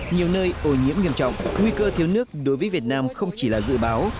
nhiều nơi ô nhiễm nghiêm trọng nguy cơ thiếu nước đối với việt nam không chỉ là dự báo